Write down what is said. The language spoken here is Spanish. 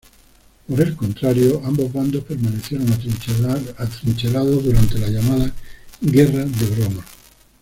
Por el contrario, ambos bandos permanecieron atrincherados durante la llamada Guerra de broma.